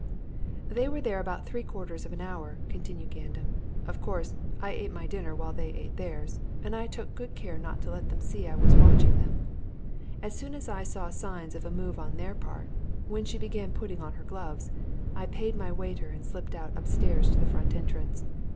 "They were there about three quarters of an hour," continued Gandam. "Of course, I ate my dinner while they ate theirs, and I took good care not to let them see that I was watching them. As soon as I saw signs of a move on their part when she began putting on her gloves I paid my waiter and slipped out upstairs to the front entrance.